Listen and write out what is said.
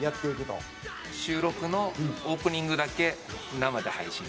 収録のオープニングだけ生で配信するとか。